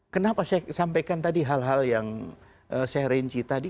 kenapa saya sampaikan tadi hal hal yang saya rinci tadi